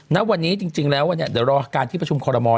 นักวันนี้จริงแล้วเนี่ยเดี๋ยวรอการที่ประชุมคอลโลมอล